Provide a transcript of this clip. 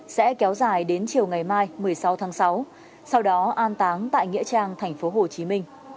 sẽ kéo dài đến chiều ngày mai một mươi sáu tháng sáu sau đó an táng tại nghĩa trang tp hcm